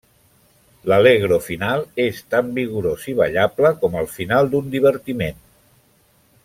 L'Allegro final és tan vigorós i ballable com el final d'un divertiment.